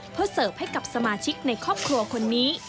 เพื่อเสิร์ฟให้กับสมาชิกในครอบครัวคนนี้